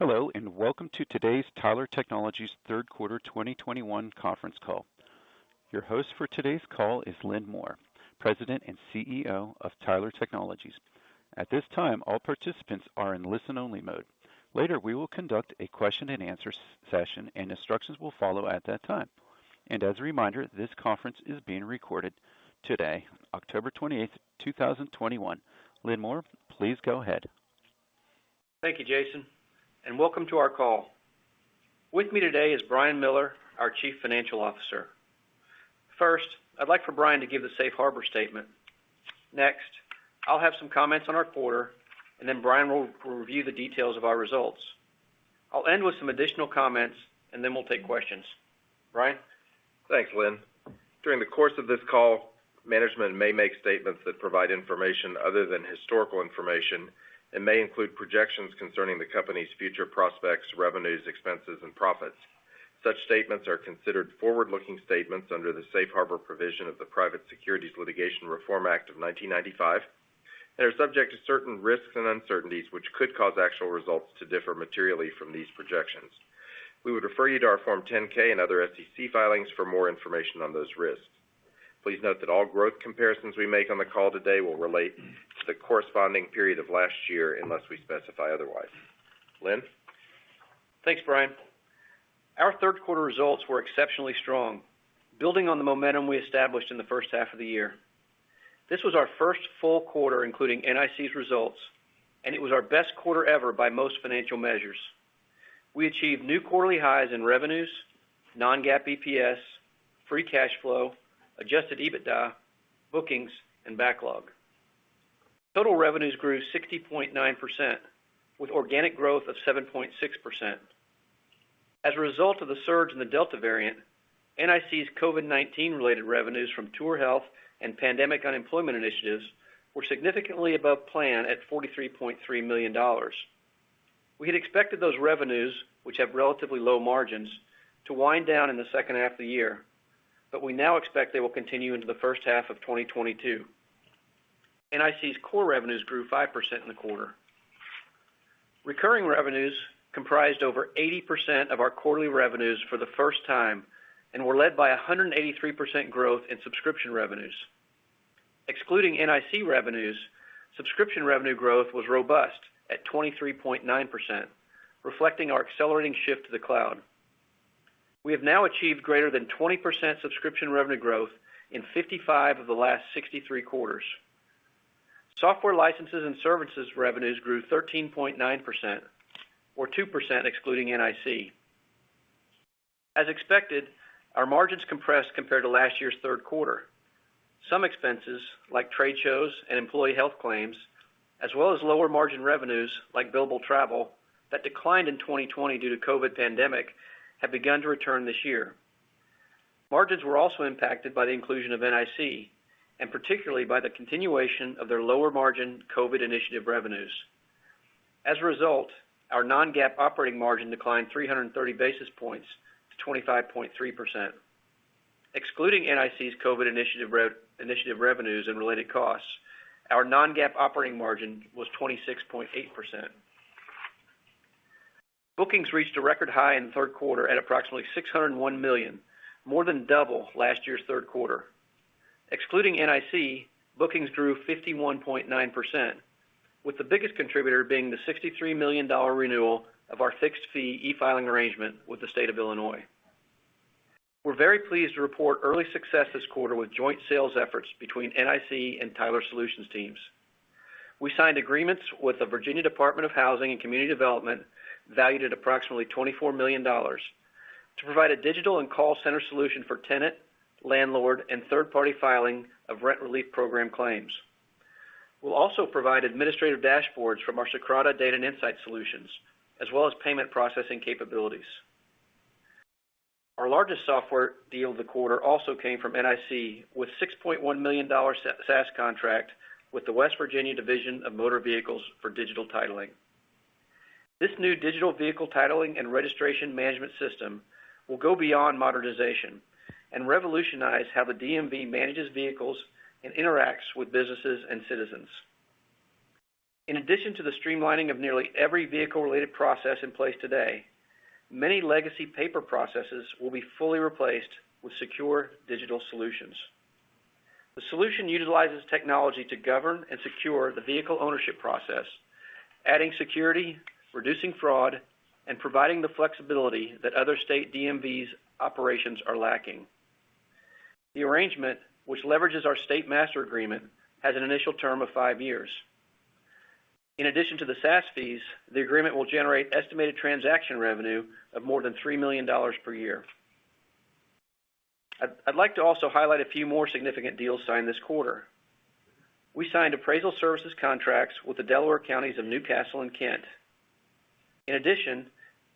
Hello, and welcome to today's Tyler Technologies Q3 2021 conference call. Your host for today's call is Lynn Moore, President and CEO of Tyler Technologies. At this time, all participants are in listen-only mode. Later, we will conduct a question-and-answer session, and instructions will follow at that time. As a reminder, this conference is being recorded today, October 28, 2021. Lynn Moore, please go ahead. Thank you, Jason, and welcome to our call. With me today is Brian Miller, our Chief Financial Officer. First, I'd like for Brian to give the safe harbor statement. Next, I'll have some comments on our quarter, and then Brian will review the details of our results. I'll end with some additional comments, and then we'll take questions. Brian? Thanks, Lynn. During the course of this call, management may make statements that provide information other than historical information and may include projections concerning the company's future prospects, revenues, expenses, and profits. Such statements are considered forward-looking statements under the safe harbor provision of the Private Securities Litigation Reform Act of 1995 and are subject to certain risks and uncertainties which could cause actual results to differ materially from these projections. We would refer you to our Form 10-K and other SEC filings for more information on those risks. Please note that all growth comparisons we make on the call today will relate to the corresponding period of last year unless we specify otherwise. Lynn? Thanks, Brian. Our Q3 results were exceptionally strong, building on the momentum we established in the first half of the year. This was our first full quarter, including NIC's results, and it was our best quarter ever by most financial measures. We achieved new quarterly highs in revenues, non-GAAP EPS, free cash flow, adjusted EBITDA, bookings, and backlog. Total revenues grew 60.9%, with organic growth of 7.6%. As a result of the surge in the Delta variant, NIC's COVID-19 related revenues from TourHealth and pandemic unemployment initiatives were significantly above plan at $43.3 million. We had expected those revenues, which have relatively low margins, to wind down in the second half of the year, but we now expect they will continue into the first half of 2022. NIC's core revenues grew 5% in the quarter. Recurring revenues comprised over 80% of our quarterly revenues for the first time and were led by 183% growth in subscription revenues. Excluding NIC revenues, subscription revenue growth was robust at 23.9%, reflecting our accelerating shift to the cloud. We have now achieved greater than 20% subscription revenue growth in 55 of the last 63 quarters. Software licenses and services revenues grew 13.9% or 2% excluding NIC. As expected, our margins compressed compared to last year's Q3. Some expenses, like trade shows and employee health claims, as well as lower margin revenues, like billable travel, that declined in 2020 due to COVID-19 pandemic have begun to return this year. Margins were also impacted by the inclusion of NIC, and particularly by the continuation of their lower margin COVID-19 initiative revenues. As a result, our non-GAAP operating margin declined 330 basis points to 25.3%. Excluding NIC's COVID-19 initiative re-initiative revenues and related costs, our non-GAAP operating margin was 26.8%. Bookings reached a record high in the Q3 at approximately $601 million, more than double last year's Q3. Excluding NIC, bookings grew 51.9%, with the biggest contributor being the $63 million renewal of our fixed-fee e-filing arrangement with the state of Illinois. We're very pleased to report early success this quarter with joint sales efforts between NIC and Tyler Solutions teams. We signed agreements with the Virginia Department of Housing and Community Development, valued at approximately $24 million, to provide a digital and call center solution for tenant, landlord, and third-party filing of rent relief program claims. We'll also provide administrative dashboards from our Socrata data and insights solutions, as well as payment processing capabilities. Our largest software deal of the quarter also came from NIC, with a $6.1 million SaaS contract with the West Virginia Division of Motor Vehicles for digital titling. This new digital vehicle titling and registration management system will go beyond modernization and revolutionize how the DMV manages vehicles and interacts with businesses and citizens. In addition to the streamlining of nearly every vehicle-related process in place today, many legacy paper processes will be fully replaced with secure digital solutions. The solution utilizes technology to govern and secure the vehicle ownership process, adding security, reducing fraud, and providing the flexibility that other state DMV's operations are lacking. The arrangement, which leverages our state master agreement, has an initial term of five years. In addition to the SaaS fees, the agreement will generate estimated transaction revenue of more than $3 million per year. I'd like to also highlight a few more significant deals signed this quarter. We signed appraisal services contracts with the Delaware counties of New Castle and Kent. In addition,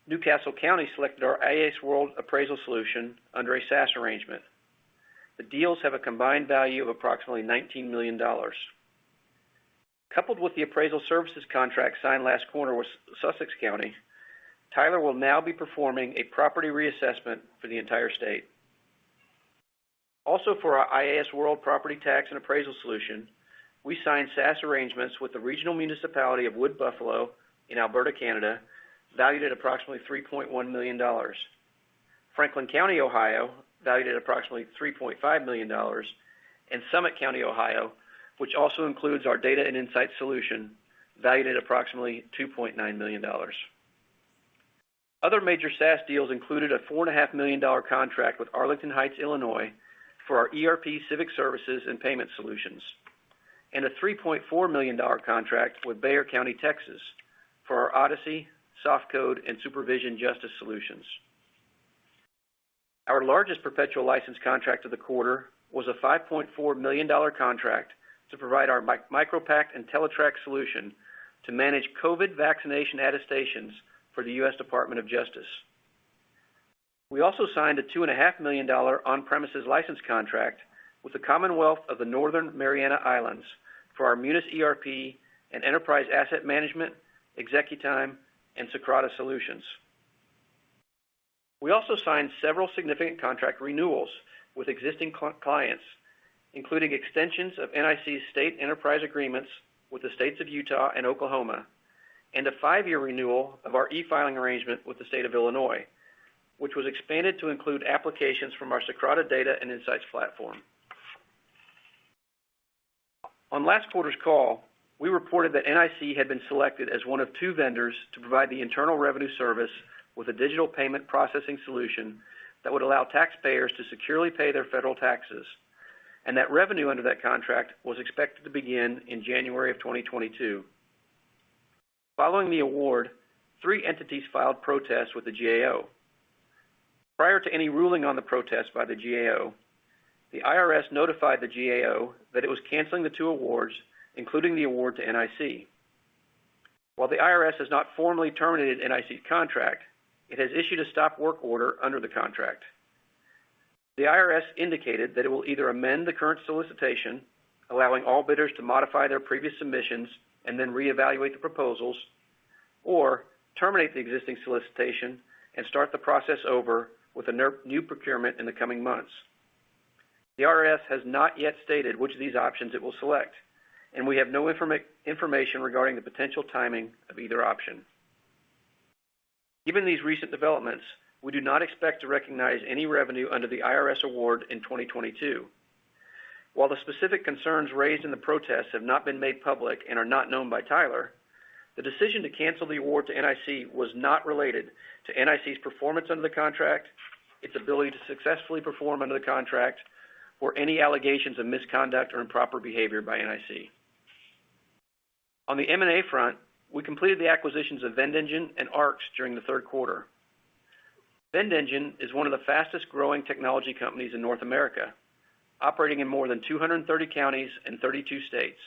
New Castle County selected our iasWorld Appraisal Solution under a SaaS arrangement. The deals have a combined value of approximately $19 million. Coupled with the appraisal services contract signed last quarter with Sussex County, Tyler will now be performing a property reassessment for the entire state. Also for our iasWorld Property Tax and Appraisal Solution, we signed SaaS arrangements with the regional municipality of Wood Buffalo in Alberta, Canada, valued at approximately 3.1 million dollars. Franklin County, Ohio, valued at approximately $3.5 million, and Summit County, Ohio, which also includes our Data and Insights solution, valued at approximately $2.9 million. Other major SaaS deals included a $4.5 million contract with Arlington Heights, Illinois, for our ERP Civic Services and Payment Solutions, and a $3.4 million contract with Bexar County, Texas, for our Odyssey, SoftCode and Supervision Justice Solutions. Our largest perpetual license contract of the quarter was a $5.4 million contract to provide our MicroPact and Entellitrak solution to manage COVID vaccination attestations for the U.S. Department of Justice. We also signed a $2.5 million on-premises license contract with the Commonwealth of the Northern Mariana Islands for our Munis ERP and Enterprise Asset Management, ExecuTime, and Socrata solutions. We also signed several significant contract renewals with existing clients, including extensions of NIC state enterprise agreements with the states of Utah and Oklahoma, and a five-year renewal of our e-filing arrangement with the state of Illinois, which was expanded to include applications from our Socrata data and insights platform. On last quarter's call, we reported that NIC had been selected as one of two vendors to provide the Internal Revenue Service with a digital payment processing solution that would allow taxpayers to securely pay their federal taxes, and that revenue under that contract was expected to begin in January 2022. Following the award, three entities filed protests with the GAO. Prior to any ruling on the protest by the GAO, the IRS notified the GAO that it was canceling the two awards, including the award to NIC. While the IRS has not formally terminated NIC's contract, it has issued a stop work order under the contract. The IRS indicated that it will either amend the current solicitation, allowing all bidders to modify their previous submissions and then reevaluate the proposals, or terminate the existing solicitation and start the process over with a new procurement in the coming months. The IRS has not yet stated which of these options it will select, and we have no information regarding the potential timing of either option. Given these recent developments, we do not expect to recognize any revenue under the IRS award in 2022. While the specific concerns raised in the protests have not been made public and are not known by Tyler, the decision to cancel the award to NIC was not related to NIC's performance under the contract, its ability to successfully perform under the contract, or any allegations of misconduct or improper behavior by NIC. On the M&A front, we completed the acquisitions of VendEngine and ARX during the Q3. VendEngine is one of the fastest-growing technology companies in North America, operating in more than 230 counties and 32 states.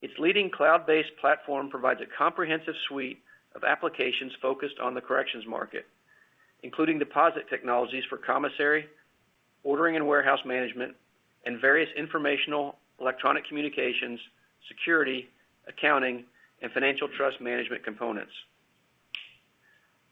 Its leading cloud-based platform provides a comprehensive suite of applications focused on the corrections market, including deposit technologies for commissary, ordering and warehouse management, and various informational, electronic communications, security, accounting, and financial trust management components.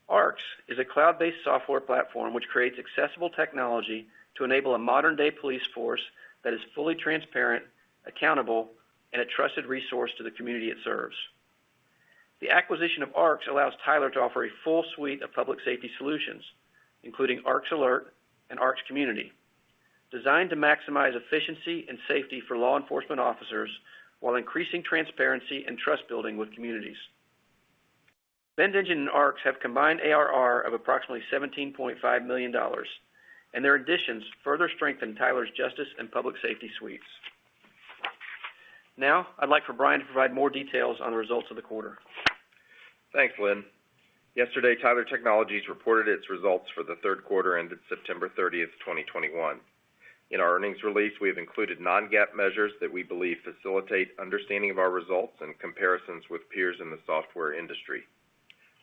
ARX is a cloud-based software platform which creates accessible technology to enable a modern-day police force that is fully transparent, accountable, and a trusted resource to the community it serves. The acquisition of ARX allows Tyler to offer a full suite of public safety solutions, including ARX Alert and ARX Community, designed to maximize efficiency and safety for law enforcement officers while increasing transparency and trust building with communities. VendEngine and ARX have combined ARR of approximately $17.5 million, and their additions further strengthen Tyler's Justice and Public Safety suites. Now, I'd like for Brian to provide more details on the results of the quarter. Thanks, Lynn. Yesterday, Tyler Technologies reported its results for the Q3 ended September 30, 2021. In our earnings release, we have included non-GAAP measures that we believe facilitate understanding of our results and comparisons with peers in the software industry.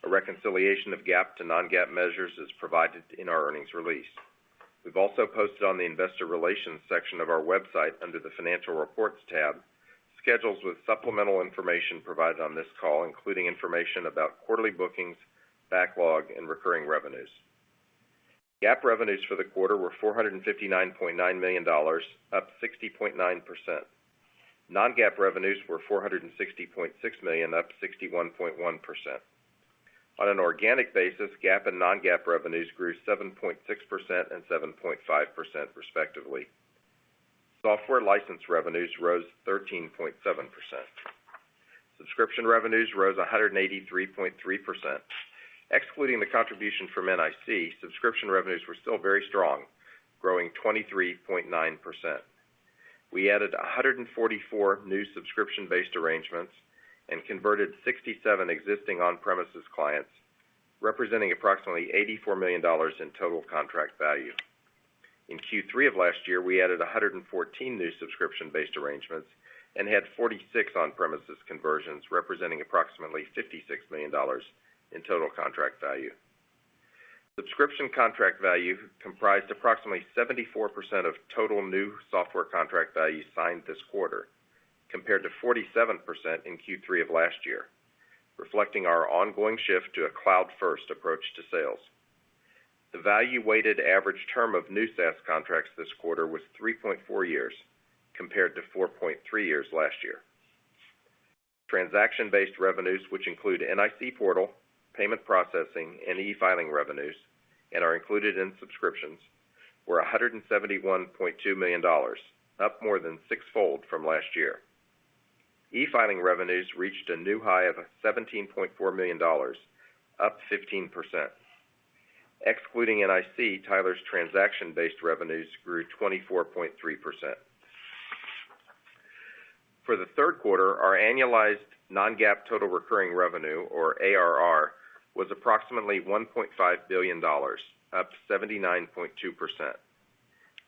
A reconciliation of GAAP to non-GAAP measures is provided in our earnings release. We've also posted on the investor relations section of our website, under the Financial Reports tab, schedules with supplemental information provided on this call, including information about quarterly bookings, backlog and recurring revenues. GAAP revenues for the quarter were $459.9 million, up 60.9%. Non-GAAP revenues were $460.6 million, up 61.1%. On an organic basis, GAAP and non-GAAP revenues grew 7.6% and 7.5%, respectively. Software license revenues rose 13.7%. Subscription revenues rose 183.3%. Excluding the contribution from NIC, subscription revenues were still very strong, growing 23.9%. We added 144 new subscription-based arrangements and converted 67 existing on-premises clients, representing approximately $84 million in total contract value. In Q3 of last year, we added 114 new subscription-based arrangements and had 46 on-premises conversions, representing approximately $56 million in total contract value. Subscription contract value comprised approximately 74% of total new software contract value signed this quarter, compared to 47% in Q3 of last year. Reflecting our ongoing shift to a cloud-first approach to sales. The value weighted average term of new SaaS contracts this quarter was 3.4 years, compared to 4.3 years last year. Transaction-based revenues, which include NIC portal, payment processing, and e-filing revenues, and are included in subscriptions, were $171.2 million, up more than six-fold from last year. E-filing revenues reached a new high of $17.4 million, up 15%. Excluding NIC, Tyler's transaction-based revenues grew 24.3%. For the Q3, our annualized non-GAAP total recurring revenue or ARR was approximately $1.5 billion, up 79.2%.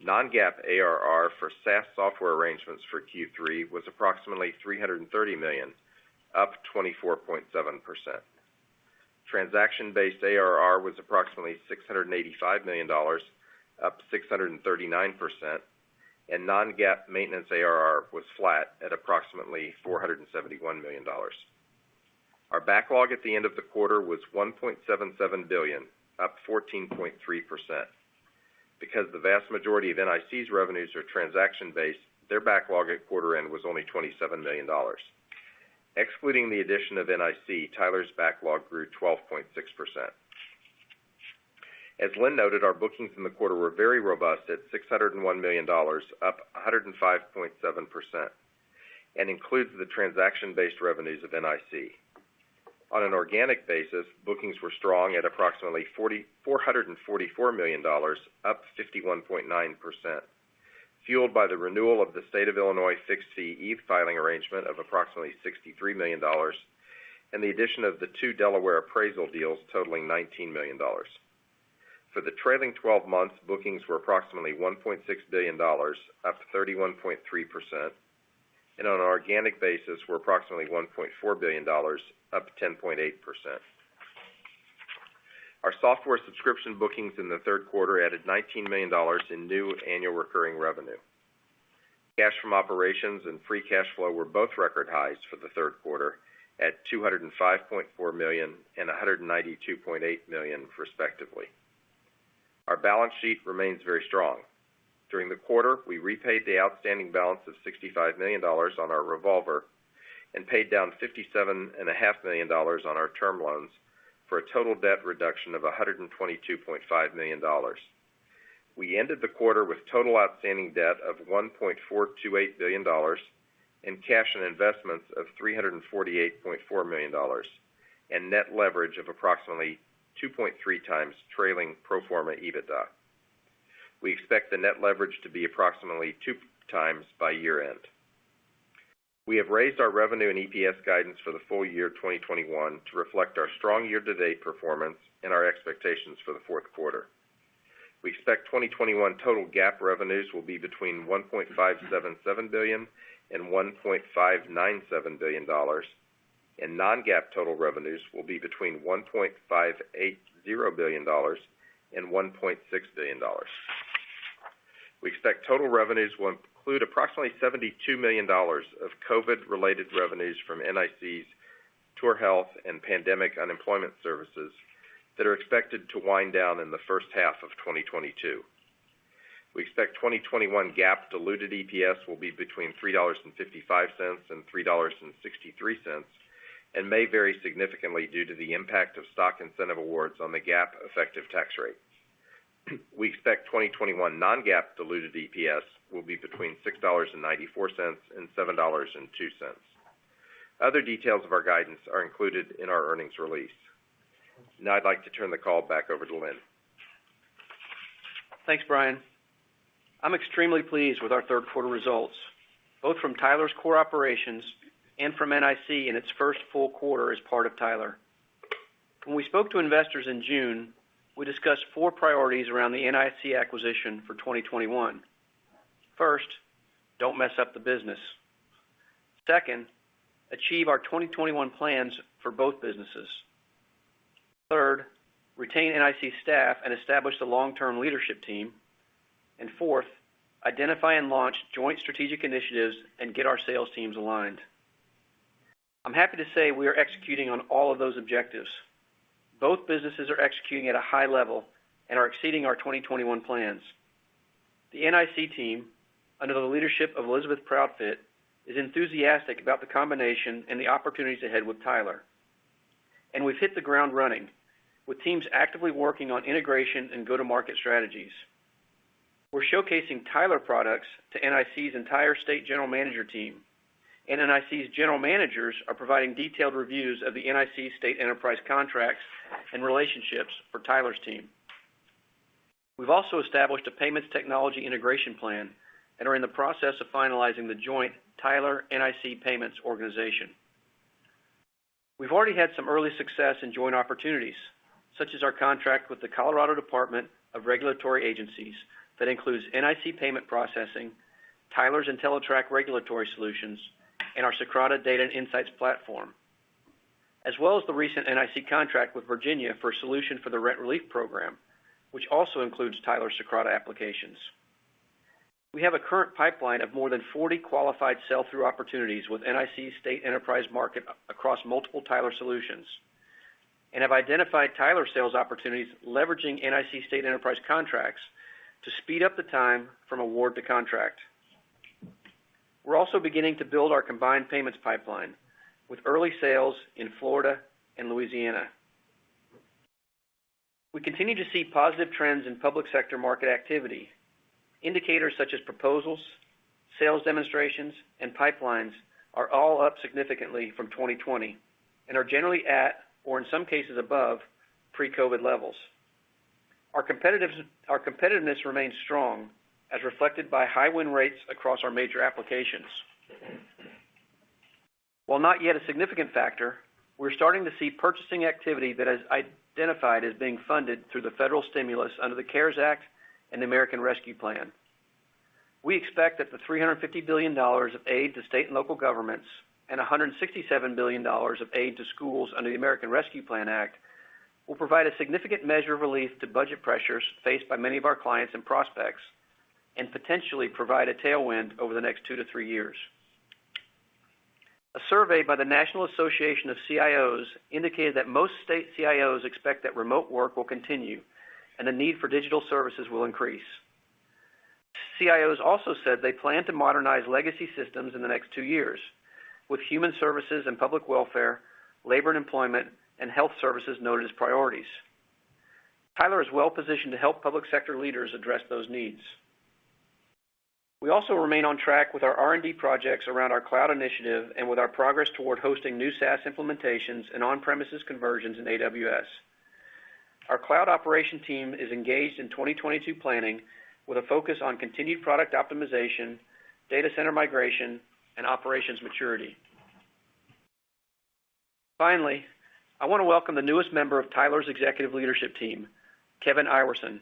Non-GAAP ARR for SaaS software arrangements for Q3 was approximately $330 million, up 24.7%. Transaction-based ARR was approximately $685 million, up 639%, and non-GAAP maintenance ARR was flat at approximately $471 million. Our backlog at the end of the quarter was $1.7 billion, up 14.3%. Because the vast majority of NIC's revenues are transaction-based, their backlog at quarter end was only $27 million. Excluding the addition of NIC, Tyler's backlog grew 12.6%. As Lynn noted, our bookings in the quarter were very robust at $601 million, up 105.7%, and includes the transaction-based revenues of NIC. On an organic basis, bookings were strong at approximately $444 million, up 51.9%, fueled by the renewal of the State of Illinois 6C e-filing arrangement of approximately $63 million, and the addition of the two Delaware appraisal deals totaling $19 million. For the trailing twelve months, bookings were approximately $1.6 billion, up 31.3%, and on an organic basis were approximately $1.4 billion, up 10.8%. Our software subscription bookings in the Q3 added $19 million in new annual recurring revenue. Cash from operations and free cash flow were both record highs for the Q3 at $205.4 million and $192.8 million respectively. Our balance sheet remains very strong. During the quarter, we repaid the outstanding balance of $65 million on our revolver and paid down $57.5 million on our term loans for a total debt reduction of $122.5 million. We ended the quarter with total outstanding debt of $1.428 billion and cash and investments of $348.4 million, and net leverage of approximately 2.3x trailing pro forma EBITDA. We expect the net leverage to be approximately 2x by year-end. We have raised our revenue and EPS guidance for the full year 2021 to reflect our strong year-to-date performance and our expectations for the Q4. We expect 2021 total GAAP revenues will be between $1.577 billion and $1.597 billion, and non-GAAP total revenues will be between $1.580 billion and $1.6 billion. We expect total revenues will include approximately $72 million of COVID-related revenues from NIC's TourHealth and Pandemic Unemployment Services that are expected to wind down in the first half of 2022. We expect 2021 GAAP diluted EPS will be between $3.55 and $3.63, and may vary significantly due to the impact of stock incentive awards on the GAAP effective tax rate. We expect 2021 non-GAAP diluted EPS will be between $6.94 and $7.02. Other details of our guidance are included in our earnings release. Now I'd like to turn the call back over to Lynn. Thanks, Brian. I'm extremely pleased with our Q3 results, both from Tyler's core operations and from NIC in its first full quarter as part of Tyler. When we spoke to investors in June, we discussed four priorities around the NIC acquisition for 2021. First, don't mess up the business. Second, achieve our 2021 plans for both businesses. Third, retain NIC staff and establish the long-term leadership team. Fourth, identify and launch joint strategic initiatives and get our sales teams aligned. I'm happy to say we are executing on all of those objectives. Both businesses are executing at a high level and are exceeding our 2021 plans. The NIC team, under the leadership of Elizabeth Proudfit, is enthusiastic about the combination and the opportunities ahead with Tyler. We've hit the ground running with teams actively working on integration and go-to-market strategies. We're showcasing Tyler products to NIC's entire state general manager team, and NIC's general managers are providing detailed reviews of the NIC state enterprise contracts and relationships for Tyler's team. We've also established a payments technology integration plan and are in the process of finalizing the joint Tyler NIC Payments organization. We've already had some early success in joint opportunities, such as our contract with the Colorado Department of Regulatory Agencies that includes NIC payment processing, Tyler's Entellitrak regulatory solutions, and our Socrata data and insights platform, as well as the recent NIC contract with Virginia for a solution for the Rent Relief program, which also includes Tyler Socrata applications. We have a current pipeline of more than 40 qualified sell-through opportunities with NIC state enterprise market across multiple Tyler solutions, and have identified Tyler sales opportunities leveraging NIC state enterprise contracts to speed up the time from award to contract. We're also beginning to build our combined payments pipeline with early sales in Florida and Louisiana. We continue to see positive trends in public sector market activity. Indicators such as proposals, sales demonstrations, and pipelines are all up significantly from 2020 and are generally at, or in some cases above pre-COVID levels. Our competitiveness remains strong as reflected by high win rates across our major applications. While not yet a significant factor, we're starting to see purchasing activity that is identified as being funded through the federal stimulus under the CARES Act and the American Rescue Plan. We expect that the $350 billion of aid to state and local governments and the $167 billion of aid to schools under the American Rescue Plan Act will provide a significant measure of relief to budget pressures faced by many of our clients and prospects and potentially provide a tailwind over the next 2-3 years. A survey by the National Association of CIOs indicated that most state CIOs expect that remote work will continue and the need for digital services will increase. CIOs also said they plan to modernize legacy systems in the next 2 years, with human services and public welfare, labor and employment, and health services noted as priorities. Tyler is well positioned to help public sector leaders address those needs. We also remain on track with our R&D projects around our cloud initiative and with our progress toward hosting new SaaS implementations and on-premises conversions in AWS. Our cloud operation team is engaged in 2022 planning with a focus on continued product optimization, data center migration, and operations maturity. Finally, I wanna welcome the newest member of Tyler's executive leadership team, Kevin Iwersen,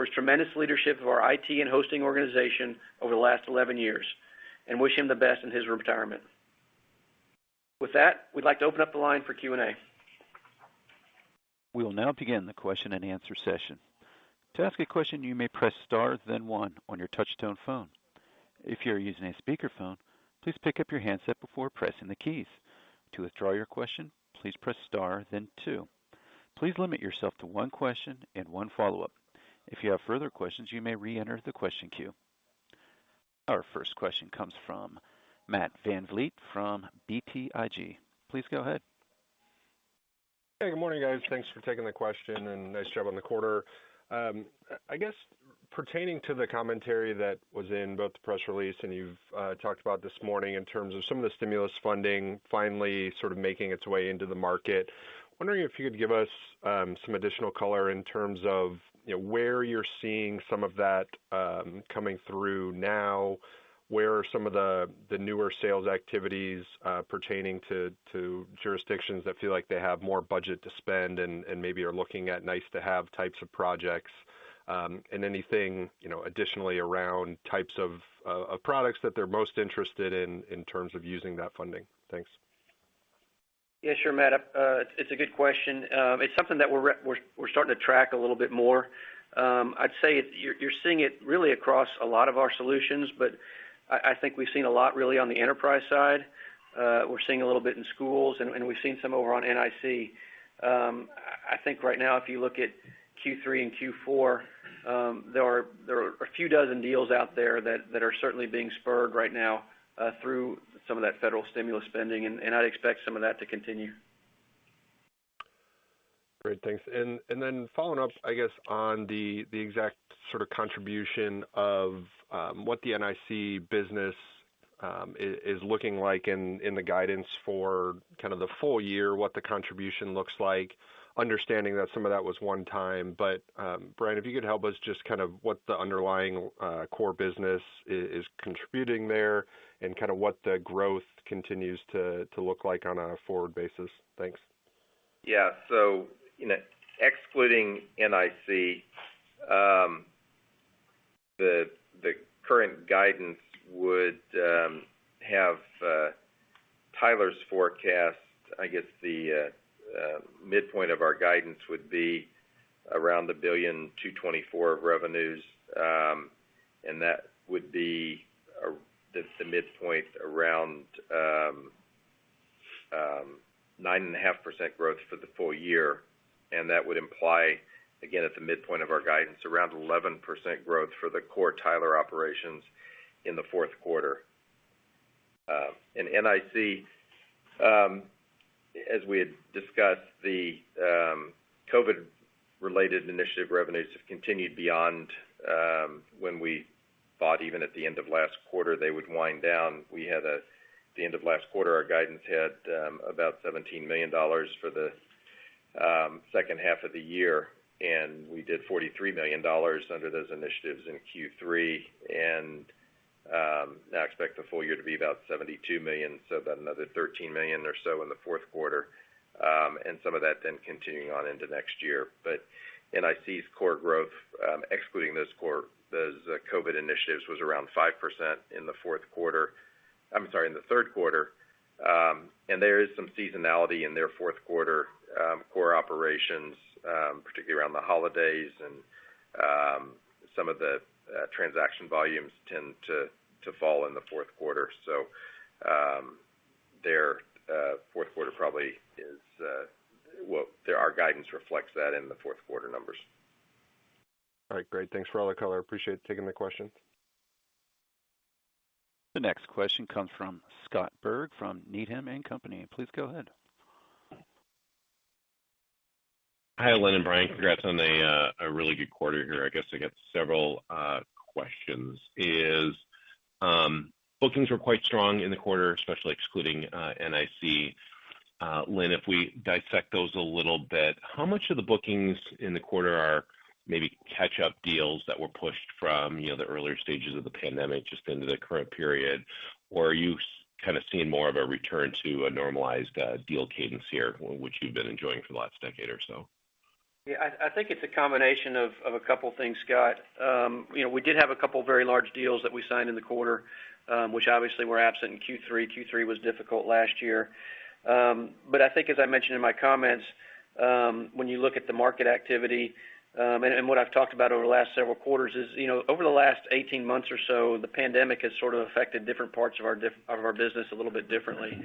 for his tremendous leadership of our IT and hosting organization over the last 11 years, and wish him the best in his retirement. With that, we'd like to open up the line for Q&A. We will now begin the question-and-answer session. To ask a question, you may press star, then one on your touch-tone phone. If you're using a speakerphone, please pick up your handset before pressing the keys. To withdraw your question, please press star then two. Please limit yourself to one question and one follow-up. If you have further questions, you may reenter the question queue. Our first question comes from Matt VanVleet from BTIG. Please go ahead. Hey, good morning, guys. Thanks for taking the question, and nice job on the quarter. I guess pertaining to the commentary that was in both the press release and you've talked about this morning in terms of some of the stimulus funding finally sort of making its way into the market. Wondering if you could give us some additional color in terms of, you know, where you're seeing some of that coming through now, where are some of the newer sales activities pertaining to jurisdictions that feel like they have more budget to spend and maybe are looking at nice-to-have types of projects, and anything, you know, additionally around types of products that they're most interested in in terms of using that funding. Thanks. Yeah, sure, Matt. It's a good question. It's something that we're starting to track a little bit more. I'd say you're seeing it really across a lot of our solutions, but I think we've seen a lot really on the enterprise side. We're seeing a little bit in schools and we've seen some over on NIC. I think right now, if you look at Q3 and Q4, there are a few dozen deals out there that are certainly being spurred right now through some of that federal stimulus spending, and I'd expect some of that to continue. Great. Thanks. Following up, I guess, on the exact sort of contribution of what the NIC business is looking like in the guidance for kind of the full year, what the contribution looks like, understanding that some of that was one time. Brian, if you could help us just kind of what the underlying core business is contributing there and kind of what the growth continues to look like on a forward basis. Thanks. Yeah. You know, excluding NIC, the current guidance would have Tyler's forecast. I guess the midpoint of our guidance would be around $1.224 billion of revenues. That would be, that's the midpoint around 9.5% growth for the full year, and that would imply, again, at the midpoint of our guidance, around 11% growth for the core Tyler operations in the Q4. NIC, as we had discussed, the COVID-related initiative revenues have continued beyond when we thought even at the end of last quarter, they would wind down. The end of last quarter, our guidance had about $17 million for the Second half of the year, we did $43 million under those initiatives in Q3. I expect the full year to be about $72 million, so about another $13 million or so in the Q4, and some of that then continuing on into next year. NIC's core growth, excluding those COVID initiatives, was around 5% in the Q3. There is some seasonality in their Q4 core operations, particularly around the holidays and some of the transaction volumes tend to fall in the Q4. Our guidance reflects that in the Q4 numbers. All right, great. Thanks for all the color. I appreciate you taking my question. The next question comes from Scott Berg from Needham & Company. Please go ahead. Hi, Lynn and Brian. Congrats on a really good quarter here. I guess I got several questions. Bookings were quite strong in the quarter, especially excluding NIC. Lynn, if we dissect those a little bit, how much of the bookings in the quarter are maybe catch-up deals that were pushed from, you know, the earlier stages of the pandemic just into the current period? Or are you kind of seeing more of a return to a normalized deal cadence here, which you've been enjoying for the last decade or so? Yeah, I think it's a combination of a couple things, Scott. You know, we did have a couple of very large deals that we signed in the quarter, which obviously were absent in Q3. Q3 was difficult last year. But I think as I mentioned in my comments, when you look at the market activity, and what I've talked about over the last several quarters is, you know, over the last eighteen months or so, the pandemic has sort of affected different parts of our business a little bit differently.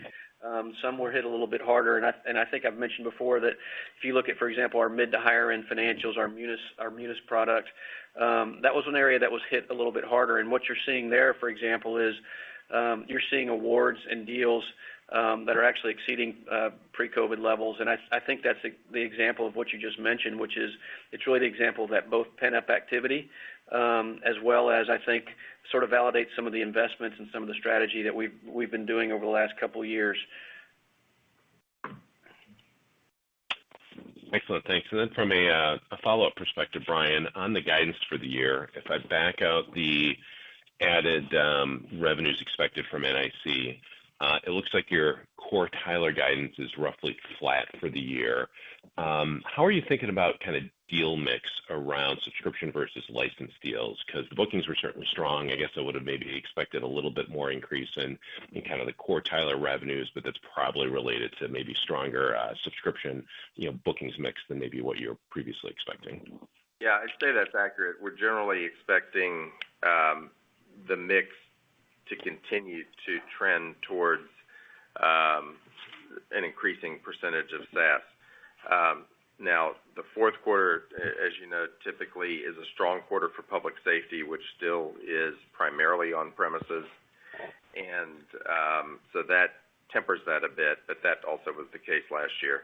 Some were hit a little bit harder. I think I've mentioned before that if you look at, for example, our mid to higher end financials, our Munis product, that was an area that was hit a little bit harder. What you're seeing there, for example, is you're seeing awards and deals that are actually exceeding pre-COVID levels. I think that's the example of what you just mentioned, which is, it's really the example that both pent-up activity as well as I think sort of validates some of the investments and some of the strategy that we've been doing over the last couple years. Excellent. Thanks. From a follow-up perspective, Brian, on the guidance for the year, if I back out the added revenues expected from NIC, it looks like your core Tyler guidance is roughly flat for the year. How are you thinking about kind of deal mix around subscription versus licensed deals? 'Cause the bookings were certainly strong. I guess I would have maybe expected a little bit more increase in kind of the core Tyler revenues, but that's probably related to maybe stronger subscription, you know, bookings mix than maybe what you were previously expecting. Yeah. I'd say that's accurate. We're generally expecting the mix to continue to trend towards an increasing percentage of SaaS. Now, the Q4, as you know, typically is a strong quarter for public safety, which still is primarily on premises. So that tempers that a bit, but that also was the case last year.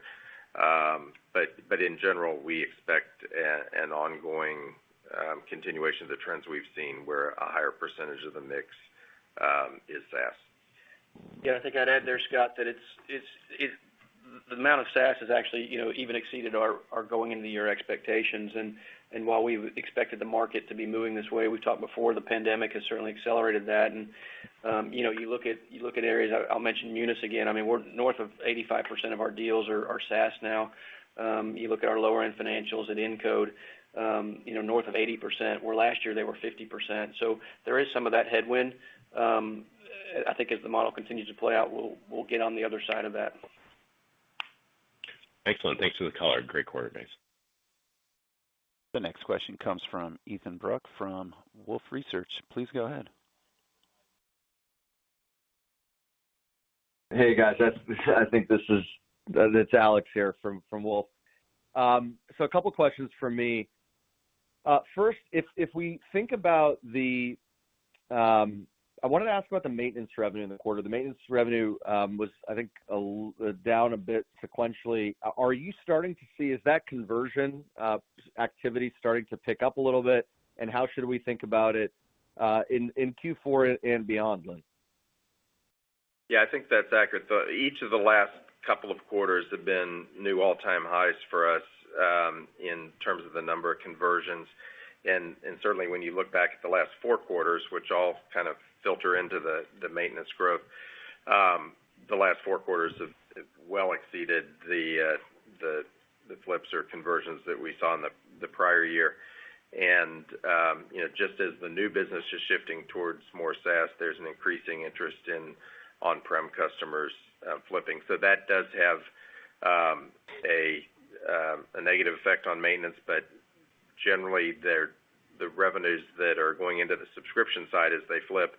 But in general, we expect an ongoing continuation of the trends we've seen, where a higher percentage of the mix is SaaS. Yeah. I think I'd add there, Scott, that the amount of SaaS has actually, you know, even exceeded our going into the year expectations. While we expected the market to be moving this way, we've talked before, the pandemic has certainly accelerated that. You look at areas. I'll mention Munis again. I mean, we're north of 85% of our deals are SaaS now. You look at our lower end financials at Incode, you know, north of 80%, where last year they were 50%. So there is some of that headwind. I think as the model continues to play out, we'll get on the other side of that. Excellent. Thanks for the color. Great quarter, guys. The next question comes from Ethan Bruck from Wolfe Research. Please go ahead. Hey, guys. This is Alex here from Wolfe. A couple questions from me. First, I wanted to ask about the maintenance revenue in the quarter. The maintenance revenue was, I think, a little down a bit sequentially. Are you starting to see that conversion activity starting to pick up a little bit? How should we think about it in Q4 and beyond, Lynn? Yeah, I think that's accurate. Each of the last couple of quarters have been new all-time highs for us, in terms of the number of conversions. Certainly when you look back at the last four quarters, which all kind of filter into the maintenance growth, the last four quarters have well exceeded the flips or conversions that we saw in the prior year. You know, just as the new business is shifting towards more SaaS, there's an increasing interest in on-prem customers flipping. That does have a negative effect on maintenance, but generally, there, the revenues that are going into the subscription side as they flip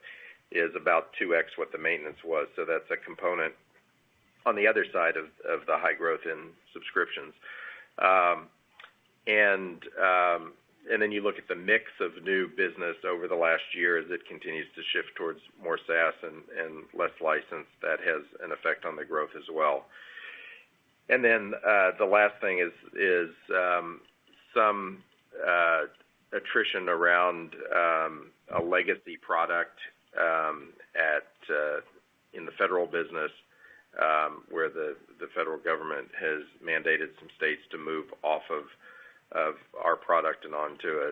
is about 2x what the maintenance was. That's a component on the other side of the high growth in subscriptions. You look at the mix of new business over the last year that continues to shift towards more SaaS and less license. That has an effect on the growth as well. The last thing is some attrition around a legacy product in the federal business, where the federal government has mandated some states to move off of our product and onto a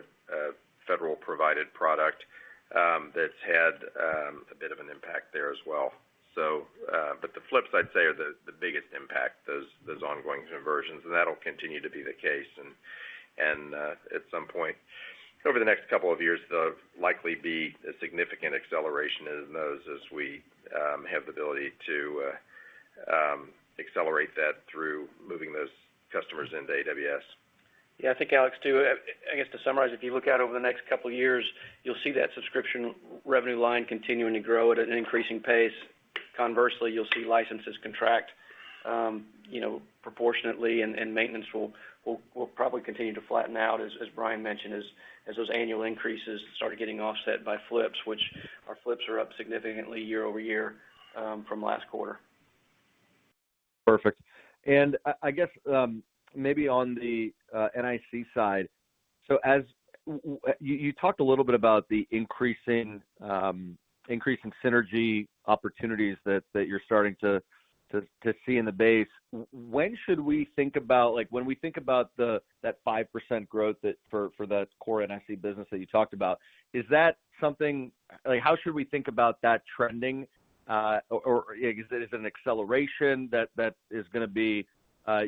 federal provided product that's had a bit of an impact there as well. But the flipside, I'd say, is the biggest impact, those ongoing conversions, and that'll continue to be the case. At some point over the next couple of years, there'll likely be a significant acceleration in those as we have the ability to accelerate that through moving those customers into AWS. Yeah, I think Alex, too, I guess to summarize, if you look out over the next couple of years, you'll see that subscription revenue line continuing to grow at an increasing pace. Conversely, you'll see licenses contract, you know, proportionately and maintenance will probably continue to flatten out, as Brian mentioned, as those annual increases start getting offset by flips, which our flips are up significantly year-over-year, from last quarter. Perfect. I guess, maybe on the NIC side, you talked a little bit about the increasing synergy opportunities that you're starting to see in the base. When should we think about? Like, when we think about that 5% growth for the core NIC business that you talked about, is that something? Like, how should we think about that trending? Or is it an acceleration that is gonna be,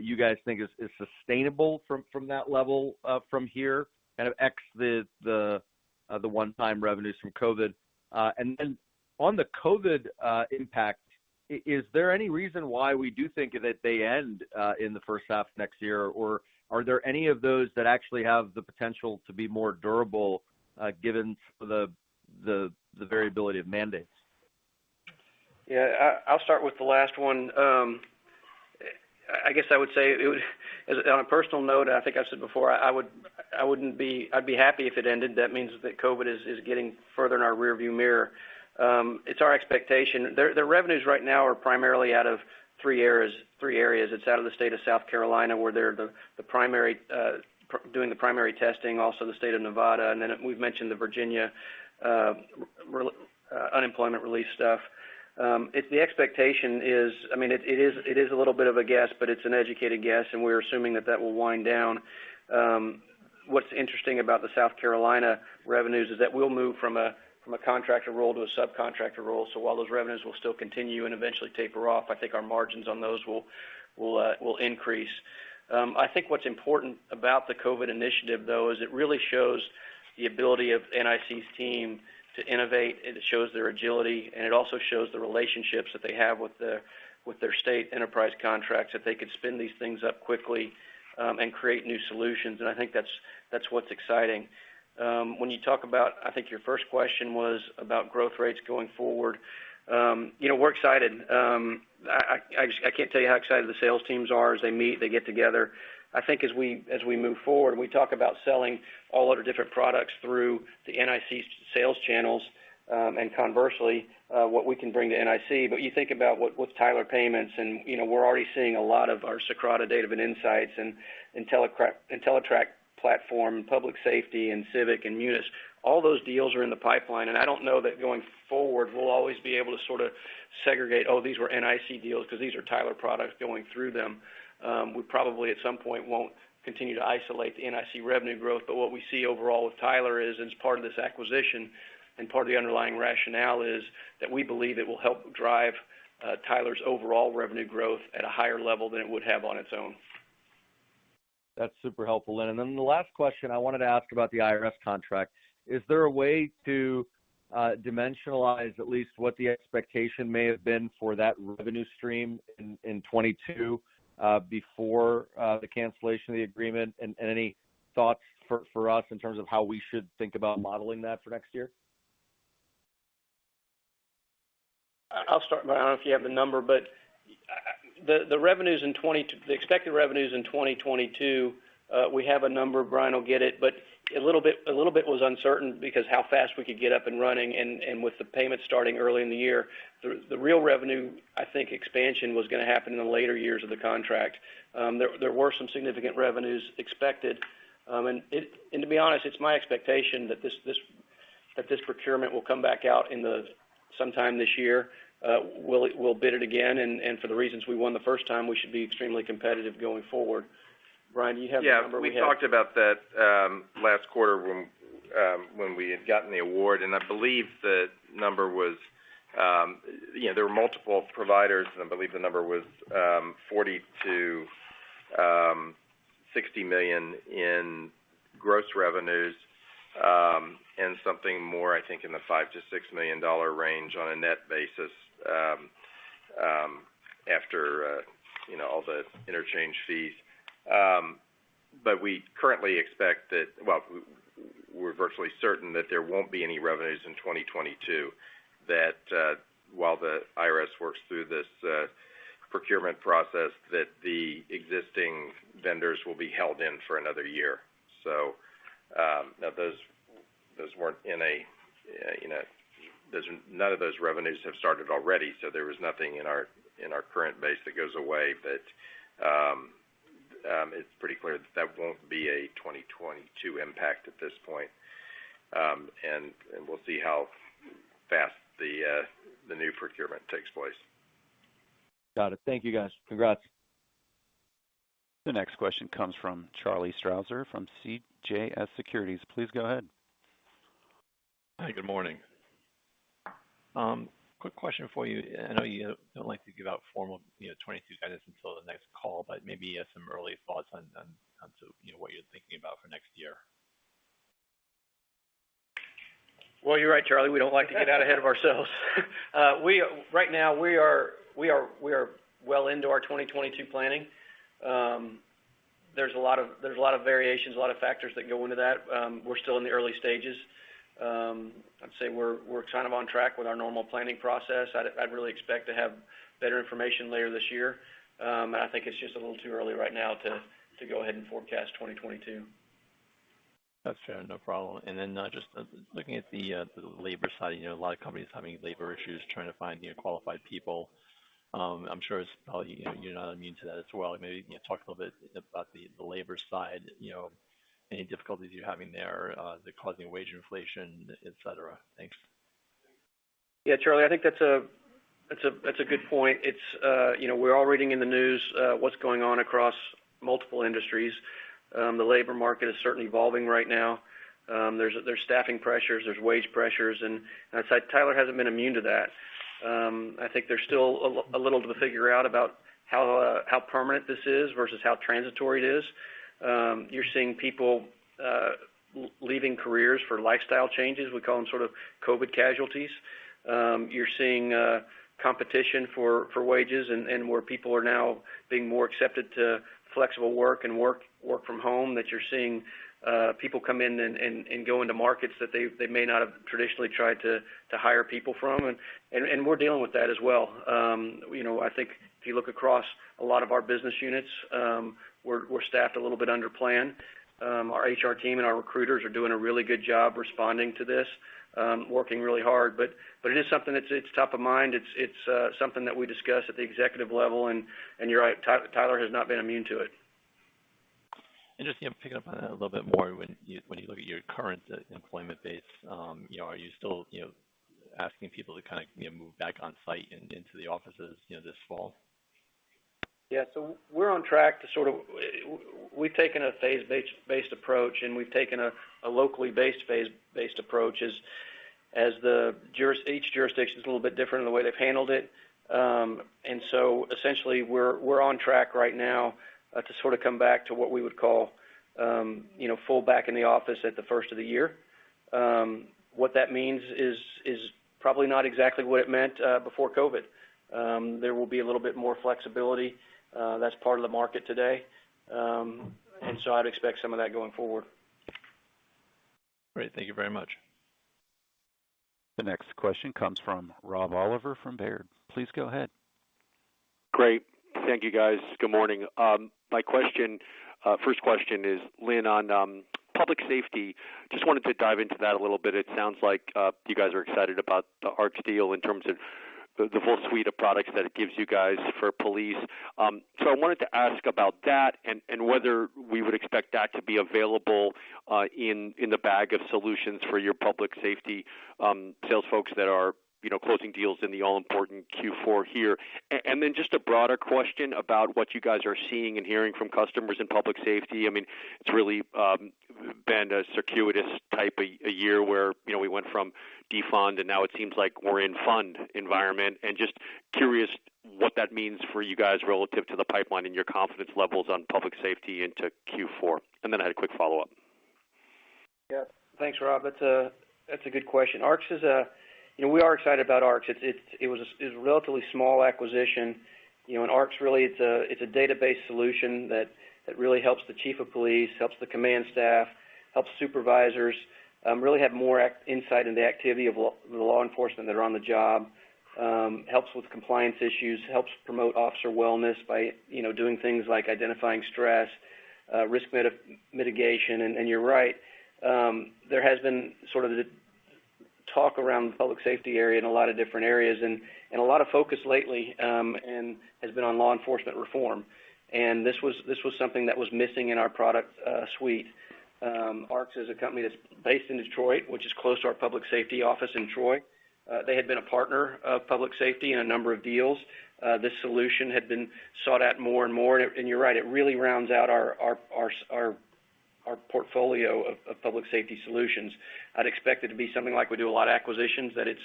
you guys think is sustainable from that level, from here, kind of ex the one-time revenues from COVID? And then on the COVID impact, is there any reason why we do think that they end in the first half next year? Are there any of those that actually have the potential to be more durable, given the variability of mandates? Yeah. I'll start with the last one. On a personal note, I think I've said before, I wouldn't be. I'd be happy if it ended. That means that COVID is getting further in our rearview mirror. It's our expectation. The revenues right now are primarily out of three areas. It's out of the state of South Carolina, where they're doing the primary testing, also the state of Nevada, and then we've mentioned the Virginia unemployment relief stuff. The expectation is, I mean, it is a little bit of a guess, but it's an educated guess, and we're assuming that that will wind down. What's interesting about the South Carolina revenues is that we'll move from a contractor role to a subcontractor role. So while those revenues will still continue and eventually taper off, I think our margins on those will increase. I think what's important about the COVID initiative, though, is it really shows the ability of NIC's team to innovate, and it shows their agility, and it also shows the relationships that they have with their state enterprise contracts, that they could spin these things up quickly, and create new solutions. I think that's what's exciting. I think your first question was about growth rates going forward. You know, we're excited. I just can't tell you how excited the sales teams are as they meet, they get together. I think as we move forward, we talk about selling all of our different products through the NIC's sales channels, and conversely, what we can bring to NIC. You think about what's Tyler Payments and, you know, we're already seeing a lot of our Socrata data and insights and Entellitrak platform, public safety and civic and Munis. All those deals are in the pipeline, and I don't know that going forward, we'll always be able to sort of segregate, "Oh, these were NIC deals 'cause these are Tyler products going through them." We probably at some point won't continue to isolate the NIC revenue growth. What we see overall with Tyler is, as part of this acquisition and part of the underlying rationale is that we believe it will help drive Tyler's overall revenue growth at a higher level than it would have on its own. That's super helpful. The last question I wanted to ask about the IRS contract. Is there a way to dimensionalize at least what the expectation may have been for that revenue stream in 2022 before the cancellation of the agreement? Any thoughts for us in terms of how we should think about modeling that for next year? I'll start, Brian. I don't know if you have the number, but the expected revenues in 2022, we have a number. Brian will get it, but a little bit was uncertain because how fast we could get up and running and with the payment starting early in the year. The real revenue, I think, expansion was gonna happen in the later years of the contract. There were some significant revenues expected. To be honest, it's my expectation that this procurement will come back out sometime this year. We'll bid it again. For the reasons we won the first time, we should be extremely competitive going forward. Brian, do you have the number we had? Yeah. We talked about that last quarter when we had gotten the award, and I believe the number was, you know, there were multiple providers, and I believe the number was 40-60 million in gross revenues, and something more, I think, in the $5 million-$6 million range on a net basis, after, you know, all the interchange fees. But we currently expect that. Well, we're virtually certain that there won't be any revenues in 2022. That, while the IRS works through this procurement process, that the existing vendors will be held in for another year. Now those Those weren't in a you know. None of those revenues have started already, so there was nothing in our current base that goes away. It's pretty clear that won't be a 2022 impact at this point. We'll see how fast the new procurement takes place. Got it. Thank you, guys. Congrats. The next question comes from Charlie Strauzer from CJS Securities. Please go ahead. Hi, good morning. Quick question for you. I know you don't like to give out formal, you know, 2022 guidance until the next call, but maybe you have some early thoughts on so, you know, what you're thinking about for next year. Well, you're right, Charlie. We don't like to get out ahead of ourselves. Right now, we are well into our 2022 planning. There's a lot of variations, a lot of factors that go into that. We're still in the early stages. I'd say we're kind of on track with our normal planning process. I'd really expect to have better information later this year. I think it's just a little too early right now to go ahead and forecast 2022. That's fair. No problem. Just looking at the labor side, you know, a lot of companies having labor issues, trying to find, you know, qualified people. I'm sure it's probably, you know, you're not immune to that as well. Maybe, you know, talk a little bit about the labor side, you know, any difficulties you're having there, is it causing wage inflation, et cetera? Thanks. Yeah, Charlie, I think that's a good point. It's, you know, we're all reading in the news, what's going on across multiple industries. The labor market is certainly evolving right now. There's staffing pressures, there's wage pressures. I'd say Tyler hasn't been immune to that. I think there's still a little to figure out about how permanent this is versus how transitory it is. You're seeing people leaving careers for lifestyle changes. We call them sort of COVID casualties. You're seeing competition for wages and where people are now being more accepted to flexible work and work from home, that you're seeing people come in and go into markets that they may not have traditionally tried to hire people from. We're dealing with that as well. You know, I think if you look across a lot of our business units, we're staffed a little bit under plan. Our HR team and our recruiters are doing a really good job responding to this, working really hard. It is something that's top of mind. It's something that we discuss at the executive level. You're right, Tyler has not been immune to it. Just, you know, picking up on that a little bit more, when you look at your current employment base, you know, are you still, you know, asking people to kind of, you know, move back on site into the offices, you know, this fall? We're on track. We've taken a locally based phase-based approach as each jurisdiction is a little bit different in the way they've handled it. Essentially, we're on track right now to sort of come back to what we would call, you know, full back in the office at the first of the year. What that means is probably not exactly what it meant before COVID. There will be a little bit more flexibility, that's part of the market today. I'd expect some of that going forward. Great. Thank you very much. The next question comes from Rob Oliver from Baird. Please go ahead. Great. Thank you, guys. Good morning. My question, first question is, Lynn, on public safety, just wanted to dive into that a little bit. It sounds like you guys are excited about the ARX deal in terms of the full suite of products that it gives you guys for police. So I wanted to ask about that and whether we would expect that to be available in the bag of solutions for your public safety sales folks that are, you know, closing deals in the all-important Q4 here. And then just a broader question about what you guys are seeing and hearing from customers in public safety. I mean, it's really been a circuitous type of a year where, you know, we went from defund, and now it seems like we're in funding environment. Just curious what that means for you guys relative to the pipeline and your confidence levels on public safety into Q4. I had a quick follow-up. Yeah. Thanks, Rob. That's a good question. We are excited about ARX. It was a relatively small acquisition. You know, ARX really is a database solution that really helps the chief of police, helps the command staff, helps supervisors, really have more insight into the activity of the law enforcement that are on the job. It helps with compliance issues, helps promote officer wellness by, you know, doing things like identifying stress, risk mitigation. You're right, there has been sort of the talk around the public safety area in a lot of different areas, and a lot of focus lately, and has been on law enforcement reform. This was something that was missing in our product suite. ARX is a company that's based in Detroit, which is close to our public safety office in Troy. They had been a partner of public safety in a number of deals. This solution had been sought out more and more. You're right, it really rounds out our portfolio of public safety solutions. I'd expect it to be something like we do a lot of acquisitions, that it's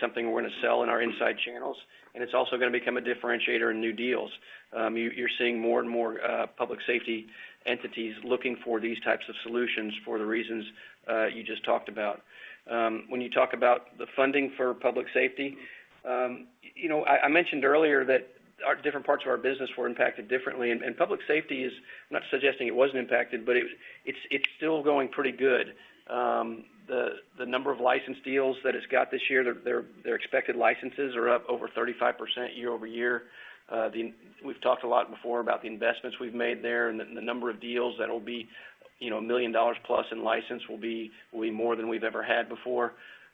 something we're gonna sell in our inside channels, and it's also gonna become a differentiator in new deals. You're seeing more and more public safety entities looking for these types of solutions for the reasons you just talked about. When you talk about the funding for public safety, you know, I mentioned earlier that our different parts of our business were impacted differently. Public safety is. I'm not suggesting it wasn't impacted, but it's still going pretty good. The number of license deals that it's got this year, their expected licenses are up over 35% year-over-year. We've talked a lot before about the investments we've made there and the number of deals that'll be, you know, $1 million plus in license will be more than we've ever had before.